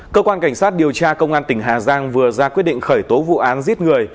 cơ quan cảnh sát điều tra công an tỉnh hà giang vừa ra quyết định khởi tố vụ án giết người